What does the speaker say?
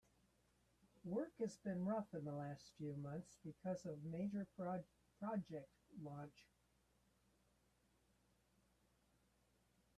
Work has been rough in the last few months because of a major project launch.